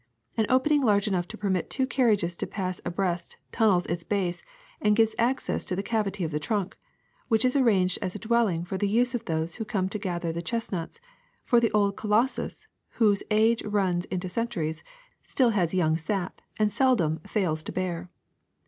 An opening large enough to permit two carriages to pass abreast tunnels its base and gives access to the cavity of the trunk, which is arranged as a dwelling for the use of those who come to gather the chestnuts ; for the old Colos sus, whose age runs into the centuries, still has young sap and seldom fails to bear.'